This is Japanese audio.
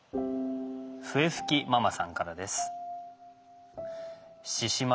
笛吹きママさんからです。